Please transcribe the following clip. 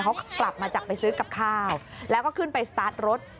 เขากลับมาจากไปซื้อกับข้าวแล้วก็ขึ้นไปสตาร์ทรถ